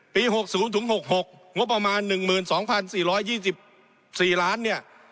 ปีหกศูนย์ถุงหกหกงบประมาณหนึ่งหมื่นสองพันสี่ร้อยยี่สิบสี่ล้านเนี่ย